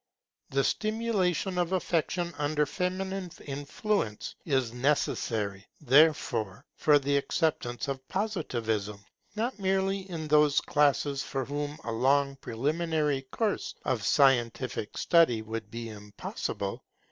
The stimulation of affection under feminine influence is necessary, therefore, for the acceptance of Positivism, not merely in those classes for whom a long preliminary course of scientific study would be impossible.